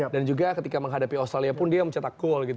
dan juga ketika menghadapi australia pun dia mencetak goal gitu